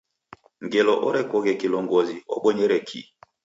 Ngelo orekoghe kilongozi wabonyere kii?